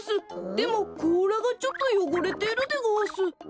でもこうらがちょっとよごれてるでごわす。